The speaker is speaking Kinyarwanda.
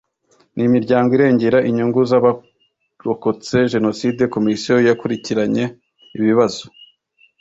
n imiryango irengera inyungu z abarokotse jenoside komisiyo yakurikiranye ibibazo